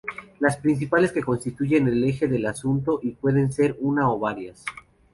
Las principales que constituyen el eje del asunto y pueden ser una o varias.